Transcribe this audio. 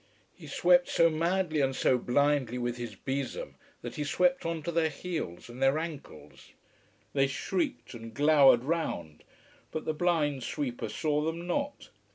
He swept so madly and so blindly with his besom that he swept on to their heels and their ankles. They shrieked and glowered round, but the blind sweeper saw them not.